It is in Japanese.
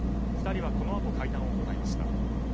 ２人はこのあと会談を行いました。